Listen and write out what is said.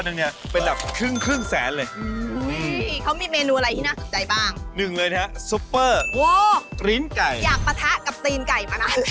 เหลียกปะทะกับตีนไก่มานานแล้ว